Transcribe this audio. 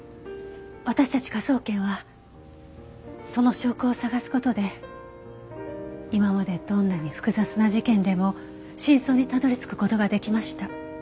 私たち科捜研はその証拠を捜す事で今までどんなに複雑な事件でも真相にたどり着く事ができました。